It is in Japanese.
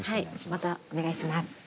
またお願いします。